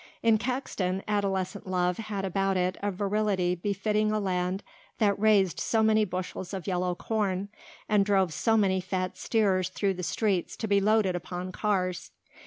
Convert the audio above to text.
In Caxton adolescent love had about it a virility befitting a land that raised so many bushels of yellow corn and drove so many fat steers through the streets to be loaded upon cars.